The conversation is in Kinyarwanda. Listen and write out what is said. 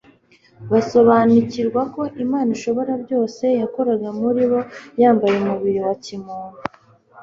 Basobanukirwa ko Imana ishobora byose yakoraga muri bo yambaye umubiri wa kimuntu.